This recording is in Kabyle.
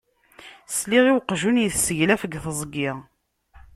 Sliɣ i uqjun yesseglaf deg teẓgi.